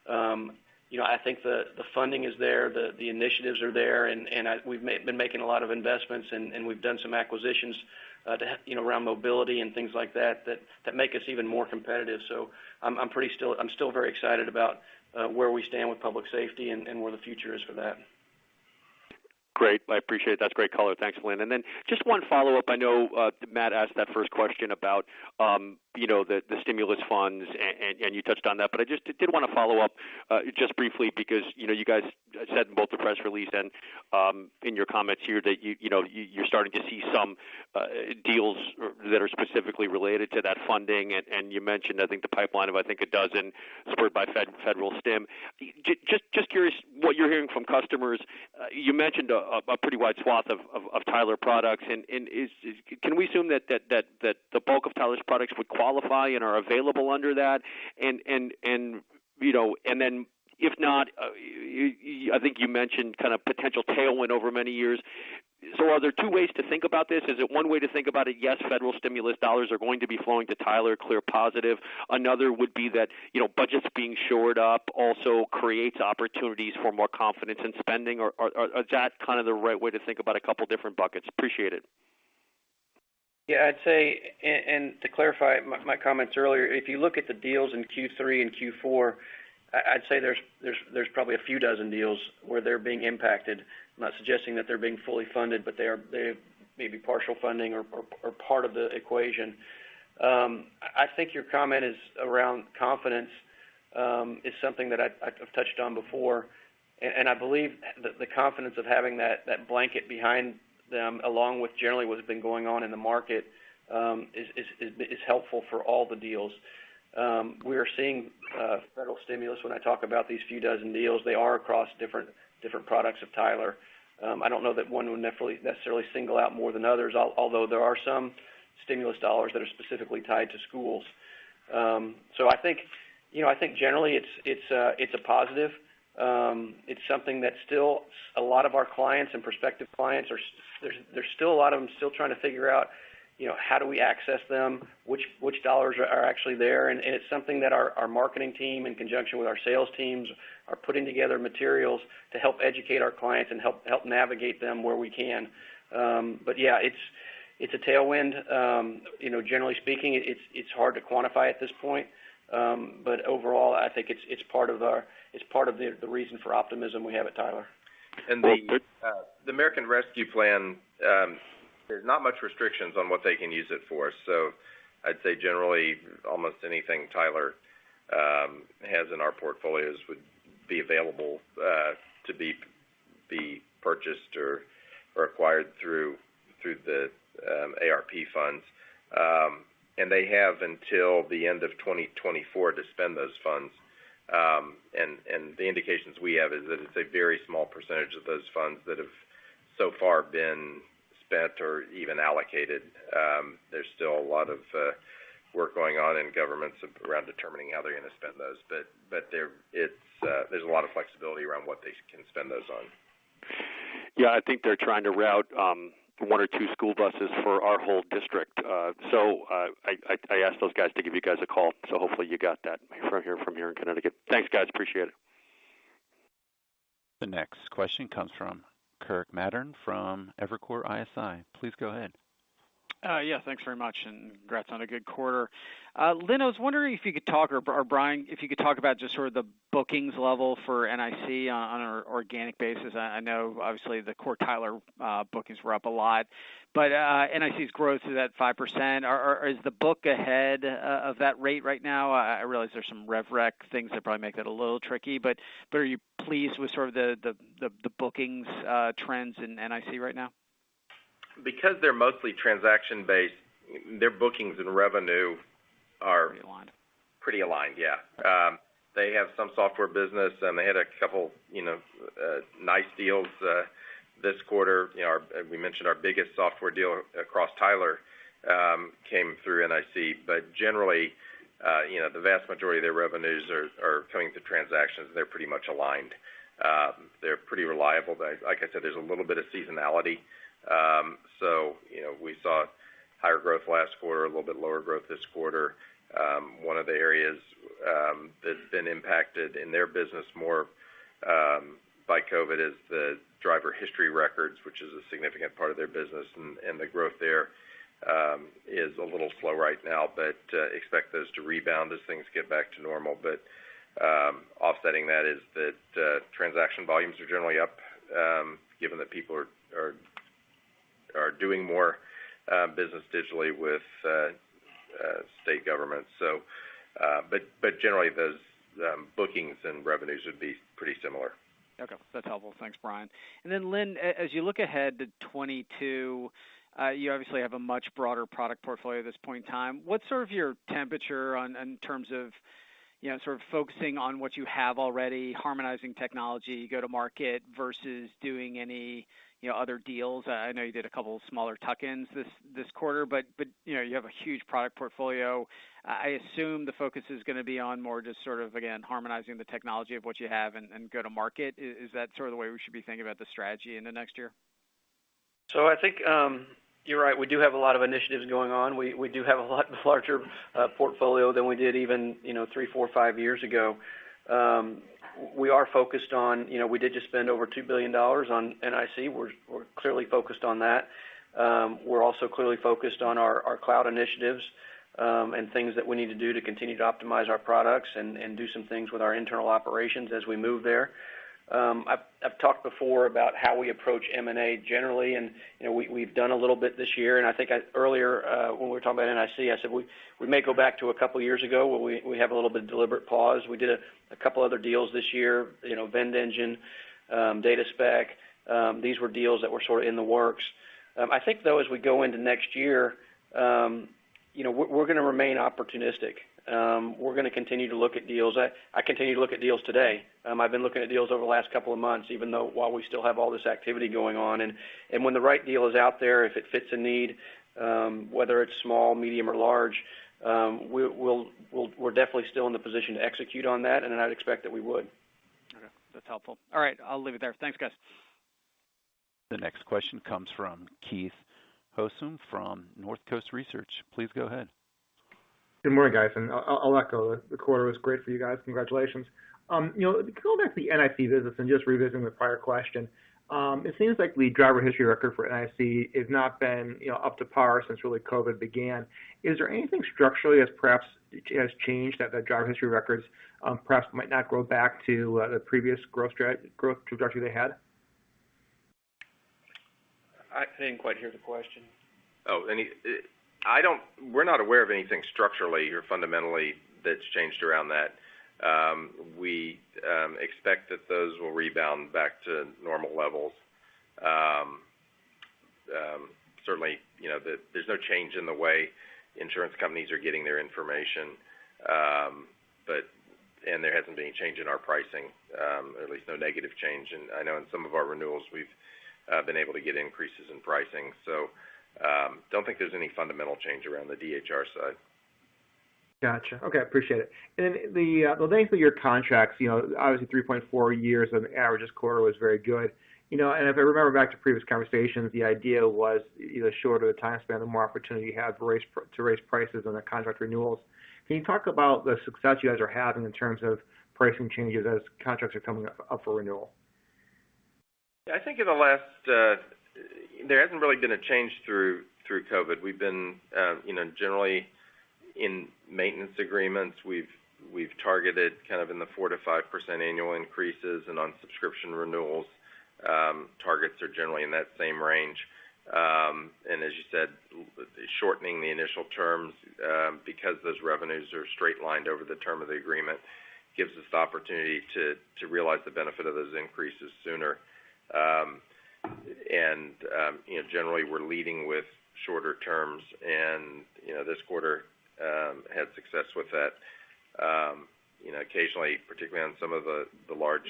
You know, I think the funding is there, the initiatives are there, and we've been making a lot of investments and we've done some acquisitions to, you know, around mobility and things like that that make us even more competitive. I'm still very excited about where we stand with public safety and where the future is for that. Great. I appreciate it. That's great color. Thanks, Lynn. Just one follow-up. I know Matt asked that first question about you know the stimulus funds and you touched on that. I just did wanna follow up just briefly because you know you guys said in both the press release and in your comments here that you know you're starting to see some deals that are specifically related to that funding. You mentioned I think the pipeline of a dozen supported by federal stim. Just curious what you're hearing from customers. You mentioned a pretty wide swath of Tyler products. Can we assume that the bulk of Tyler's products would qualify and are available under that? You know, and then if not, you, I think you mentioned kind of potential tailwind over many years. Are there two ways to think about this? Is it one way to think about it, yes, federal stimulus dollars are going to be flowing to Tyler, clear positive. Another would be that, you know, budgets being shored up also creates opportunities for more confidence in spending. Is that kind of the right way to think about a couple different buckets? Appreciate it. To clarify my comments earlier, if you look at the deals in Q3 and Q4, I'd say there's probably a few dozen deals where they're being impacted. I'm not suggesting that they're being fully funded, but they are. They may be partial funding or part of the equation. I think your comment is around confidence, is something that I've touched on before. I believe the confidence of having that blanket behind them, along with generally what has been going on in the market, is helpful for all the deals. We are seeing federal stimulus. When I talk about these few dozen deals, they are across different products of Tyler. I don't know that one would necessarily single out more than others, although there are some stimulus dollars that are specifically tied to schools. I think, you know, I think generally it's a positive. It's something that a lot of our clients and prospective clients are still trying to figure out, you know, how do we access them? Which dollars are actually there? It's something that our marketing team in conjunction with our sales teams are putting together materials to help educate our clients and help navigate them where we can. Yeah, it's a tailwind. You know, generally speaking, it's hard to quantify at this point. Overall, I think it's part of the reason for optimism we have at Tyler. The American Rescue Plan, there's not much restrictions on what they can use it for. I'd say generally, almost anything Tyler has in our portfolios would be available to be purchased or acquired through the ARP funds. They have until the end of 2024 to spend those funds. The indications we have is that it's a very small percentage of those funds that have so far been spent or even allocated. There's still a lot of work going on in governments around determining how they're gonna spend those. There's a lot of flexibility around what they can spend those on. Yeah, I think they're trying to route one or two school buses for our whole district. I asked those guys to give you guys a call, so hopefully you got that from here in Connecticut. Thanks, guys. Appreciate it. The next question comes from Kirk Materne from Evercore ISI. Please go ahead. Yeah, thanks very much, and congrats on a good quarter. Lynn, I was wondering if you could talk, or Brian, if you could talk about just sort of the bookings level for NIC on an organic basis. I know obviously the core Tyler bookings were up a lot. NIC's growth is at 5%. Is the book ahead of that rate right now? I realize there's some rev rec things that probably make that a little tricky. Are you pleased with sort of the bookings trends in NIC right now? Because they're mostly transaction-based, their bookings and revenue are- Pretty aligned. Pretty aligned, yeah. They have some software business, and they had a couple, you know, nice deals, this quarter. You know, we mentioned our biggest software deal across Tyler came through NIC. Generally, the vast majority of their revenues are coming through transactions. They're pretty much aligned. They're pretty reliable. Like I said, there's a little bit of seasonality. We saw higher growth last quarter, a little bit lower growth this quarter. One of the areas that's been impacted in their business more by COVID is the driver history records, which is a significant part of their business. The growth there is a little slow right now, but expect those to rebound as things get back to normal. Offsetting that is that transaction volumes are generally up, given that people are doing more business digitally with state governments. Generally, those bookings and revenues would be pretty similar. Okay. That's helpful. Thanks, Brian. Then Lynn, as you look ahead to 2022, you obviously have a much broader product portfolio at this point in time. What's sort of your temperature on, in terms of, you know, sort of focusing on what you have already, harmonizing technology, go to market versus doing any, you know, other deals? I know you did a couple of smaller tuck-ins this quarter, but you know, you have a huge product portfolio. I assume the focus is gonna be on more just sort of, again, harmonizing the technology of what you have and go to market. Is that sort of the way we should be thinking about the strategy in the next year? I think you're right. We do have a lot of initiatives going on. We do have a lot larger portfolio than we did even, you know, 3, 4, 5 years ago. We are focused on you know, we did just spend over $2 billion on NIC. We're clearly focused on that. We're also clearly focused on our cloud initiatives, and things that we need to do to continue to optimize our products and do some things with our internal operations as we move there. I've talked before about how we approach M&A generally, and, you know, we've done a little bit this year, and I think earlier, when we were talking about NIC, I said we may go back to a couple of years ago where we have a little bit of deliberate pause. We did a couple other deals this year, you know, VendEngine, DataSpec. These were deals that were sort of in the works. I think, though, as we go into next year, you know, we're gonna remain opportunistic. We're gonna continue to look at deals. I continue to look at deals today. I've been looking at deals over the last couple of months, even though while we still have all this activity going on. When the right deal is out there, if it fits a need, whether it's small, medium or large, we're definitely still in the position to execute on that, and then I'd expect that we would. Okay. That's helpful. All right, I'll leave it there. Thanks, guys. The next question comes from Keith Housum from Northcoast Research. Please go ahead. Good morning, guys. I'll echo. The quarter was great for you guys. Congratulations. You know, going back to the NIC business and just revisiting the prior question, it seems like the driver history record for NIC has not been, you know, up to par since really COVID-19 began. Is there anything structurally that perhaps has changed, that the driver history records perhaps might not go back to the previous growth trajectory they had? I didn't quite hear the question. We're not aware of anything structurally or fundamentally that's changed around that. We expect that those will rebound back to normal levels. Certainly, you know, there's no change in the way insurance companies are getting their information. There hasn't been any change in our pricing, at least no negative change. I know in some of our renewals, we've been able to get increases in pricing. I don't think there's any fundamental change around the DHR side. Got you. Okay. Appreciate it. The length of your contracts, you know, obviously 3.4 years on average this quarter was very good. You know, if I remember back to previous conversations, the idea was the shorter the time span, the more opportunity you have to raise prices on the contract renewals. Can you talk about the success you guys are having in terms of pricing changes as contracts are coming up for renewal? Yeah, I think in the last, there hasn't really been a change through COVID. We've been, you know, generally in maintenance agreements. We've targeted kind of in the 4%-5% annual increases. On subscription renewals, targets are generally in that same range. As you said, shortening the initial terms, because those revenues are straight-lined over the term of the agreement, gives us the opportunity to realize the benefit of those increases sooner. You know, generally we're leading with shorter terms. You know, this quarter, had success with that. You know, occasionally, particularly on some of the large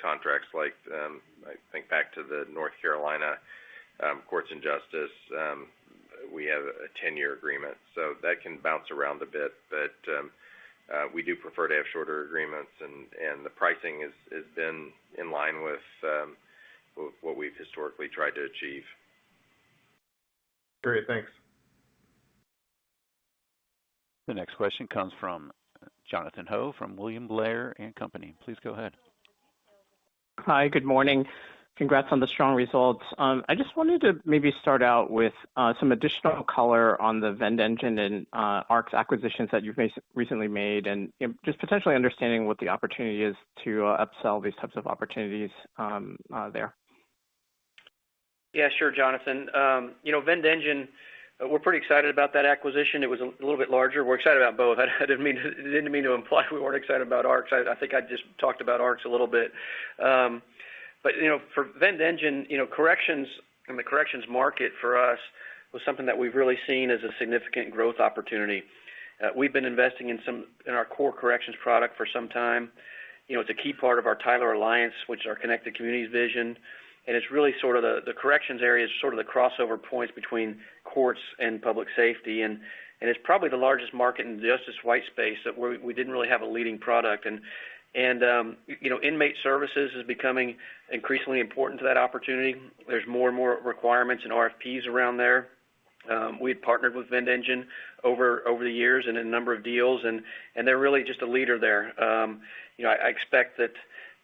contracts like, I think back to the North Carolina Courts and Justice, we have a 10-year agreement. So that can bounce around a bit. We do prefer to have shorter agreements, and the pricing has been in line with what we've historically tried to achieve. Great. Thanks. The next question comes from Jonathan Ho from William Blair & Company. Please go ahead. Hi. Good morning. Congrats on the strong results. I just wanted to maybe start out with some additional color on the VendEngine and ARX acquisitions that you've recently made, and you know, just potentially understanding what the opportunity is to upsell these types of opportunities there. Yeah, sure, Jonathan. You know, VendEngine, we're pretty excited about that acquisition. It was a little bit larger. We're excited about both. I didn't mean to imply we weren't excited about ARX. I think I just talked about ARX a little bit. You know, for VendEngine, you know, corrections, and the corrections market for us was something that we've really seen as a significant growth opportunity. We've been investing in our core corrections product for some time. You know, it's a key part of our Tyler Alliance, which is our connected communities vision. It's really sort of the corrections area is sort of the crossover points between courts and public safety. It's probably the largest market in the justice white space that we didn't really have a leading product. You know, inmate services is becoming increasingly important to that opportunity. There's more and more requirements and RFPs around there. We had partnered with VendEngine over the years in a number of deals, and they're really just a leader there. You know, I expect that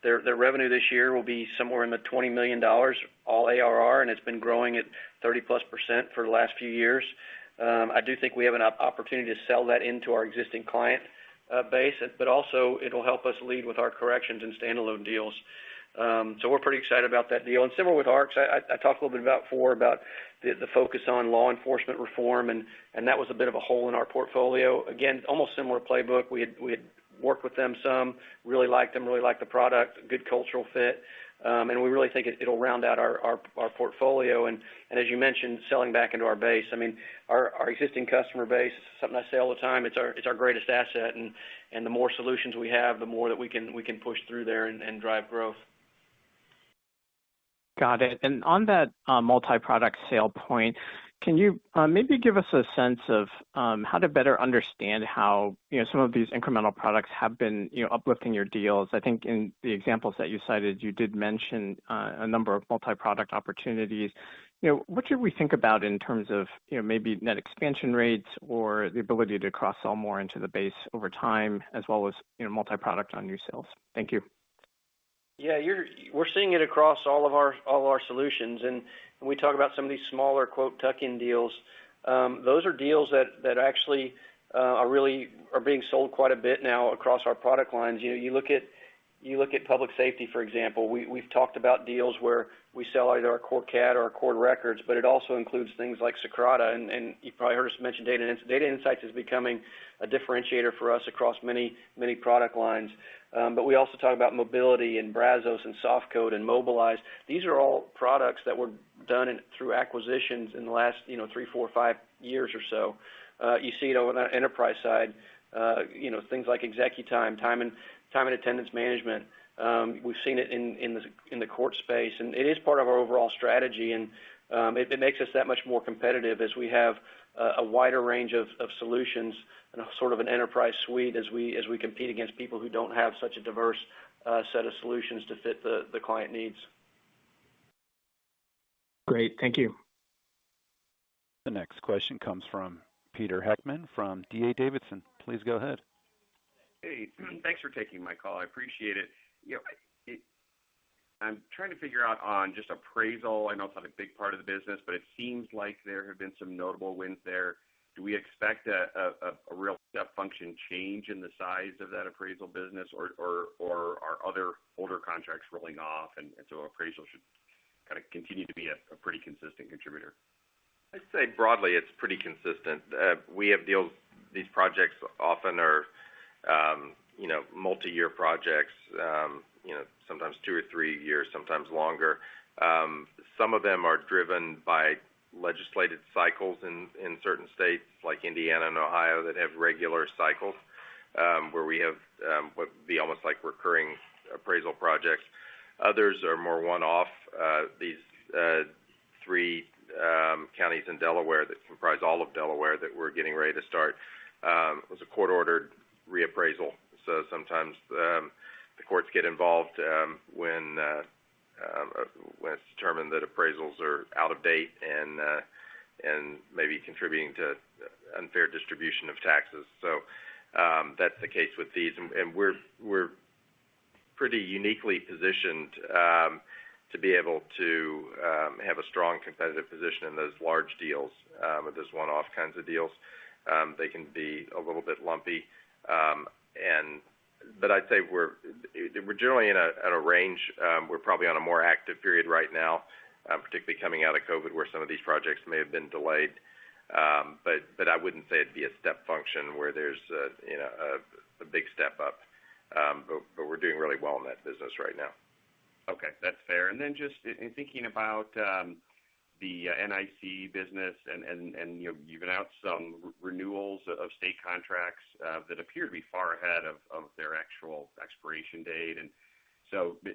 their revenue this year will be somewhere in the $20 million, all ARR, and it's been growing at 30%+ for the last few years. I do think we have an opportunity to sell that into our existing client base, but also it'll help us lead with our corrections and standalone deals. We're pretty excited about that deal. Similar with ARX, I talked a little bit about the focus on law enforcement reform, and that was a bit of a hole in our portfolio. Again, almost similar playbook. We had worked with them some, really liked them, really liked the product, good cultural fit. We really think it'll round out our portfolio. As you mentioned, selling back into our base. I mean, our existing customer base, something I say all the time, it's our greatest asset. The more solutions we have, the more that we can push through there and drive growth. Got it. On that multiproduct sale point, can you maybe give us a sense of how to better understand how, you know, some of these incremental products have been, you know, uplifting your deals? I think in the examples that you cited, you did mention a number of multiproduct opportunities. You know, what should we think about in terms of, you know, maybe net expansion rates or the ability to cross-sell more into the base over time as well as, you know, multiproduct on new sales? Thank you. We're seeing it across all of our solutions. When we talk about some of these smaller "tuck-in deals," those are deals that actually are really being sold quite a bit now across our product lines. You know, you look at public safety, for example. We've talked about deals where we sell either our New World CAD or our New World Records Management, but it also includes things like Socrata. You probably heard us mention data insights is becoming a differentiator for us across many product lines. But we also talk about mobility and Brazos and SoftCode and Mobilize. These are all products that were done through acquisitions in the last, you know, three, four, five years or so. You see it on the enterprise side, you know, things like ExecuTime, time and attendance management. We've seen it in the court space, and it is part of our overall strategy. It makes us that much more competitive as we have a wider range of solutions and a sort of an enterprise suite as we compete against people who don't have such a diverse set of solutions to fit the client needs. Great. Thank you. The next question comes from Peter Heckmann from D.A. Davidson. Please go ahead. Hey, thanks for taking my call. I appreciate it. You know, I'm trying to figure out on just appraisal. I know it's not a big part of the business, but it seems like there have been some notable wins there. Do we expect a real step function change in the size of that appraisal business or are other older contracts rolling off, and so appraisal should kinda continue to be a pretty consistent contributor? I'd say broadly, it's pretty consistent. These projects often are, you know, multi-year projects, you know, sometimes two or three years, sometimes longer. Some of them are driven by legislated cycles in certain states like Indiana and Ohio that have regular cycles, where we have what would be almost like recurring appraisal projects. Others are more one-off. These three counties in Delaware that comprise all of Delaware that we're getting ready to start was a court-ordered reappraisal. Sometimes the courts get involved when it's determined that appraisals are out of date and may be contributing to unfair distribution of taxes. That's the case with these. We're pretty uniquely positioned to be able to have a strong competitive position in those large deals. With those one-off kinds of deals, they can be a little bit lumpy. I'd say we're generally at a range. We're probably on a more active period right now, particularly coming out of COVID, where some of these projects may have been delayed. I wouldn't say it'd be a step function where there's you know, a big step up. We're doing really well in that business right now. Okay, that's fair. Just in thinking about the NIC business and, you know, you've announced some renewals of state contracts that appear to be far ahead of their actual expiration date.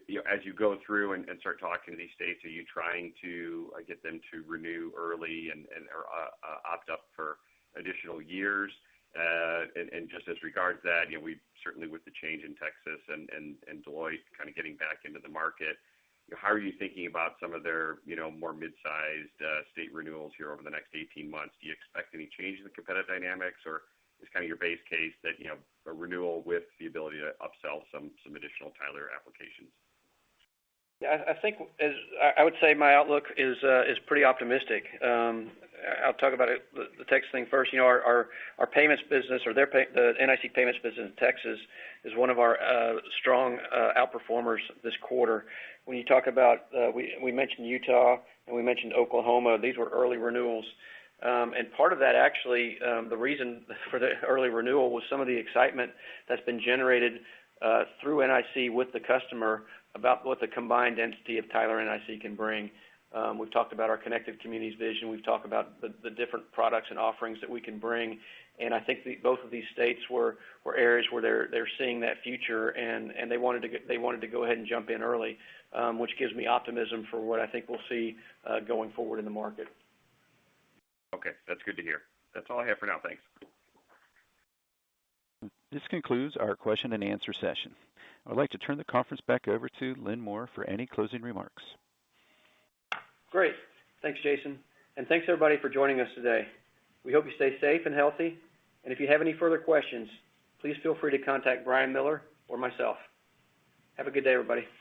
You know, as you go through and start talking to these states, are you trying to get them to renew early and or opt up for additional years? Just as regards that, you know, we've certainly with the change in Texas and Deloitte kind of getting back into the market, you know, how are you thinking about some of their more mid-sized state renewals here over the next 18 months? Do you expect any change in the competitive dynamics, or is kind of your base case that, you know, a renewal with the ability to upsell some additional Tyler applications? I would say my outlook is pretty optimistic. I'll talk about the Texas thing first. Our payments business the NIC payments business in Texas is one of our strong out-performers this quarter. When you talk about, we mentioned Utah, and we mentioned Oklahoma. These were early renewals. Part of that, the reason for the early renewal was some of the excitement that's been generated through NIC with the customer about what the combined entity of Tyler NIC can bring. We've talked about our connected communities vision. We've talked about the different products and offerings that we can bring, and I think both of these states were areas where they're seeing that future and they wanted to go ahead and jump in early, which gives me optimism for what I think we'll see going forward in the market. Okay. That's good to hear. That's all I have for now. Thanks. This concludes our question and answer session. I'd like to turn the conference back over to Lynn Moore for any closing remarks. Great. Thanks, Jason, and thanks everybody for joining us today. We hope you stay safe and healthy. If you have any further questions, please feel free to contact Brian Miller or myself. Have a good day, everybody.